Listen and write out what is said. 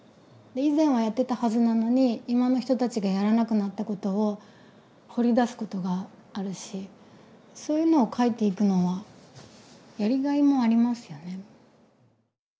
以前はやってたはずなのに今の人たちがやらなくなったことを掘り出すことがあるしそういうのを描いていくのはやりがいもありますよね。